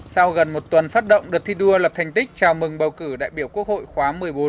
sau gần một tuần phát động đợt thi đua lập thành tích chào mừng bầu cử đại biểu quốc hội khóa một mươi bốn